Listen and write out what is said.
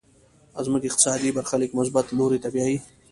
زموږ اقتصادي برخليک مثبت لوري ته بيايي.